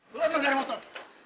lo tuh yang dari motor